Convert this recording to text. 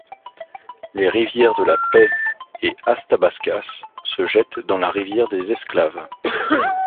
Les rivières de la Paix et Athabascas se jettent dans la rivière des Esclaves.